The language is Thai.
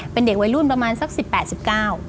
เป็นเด็กวัยรุ่นประมาณสักสิบแปดสิบเก้า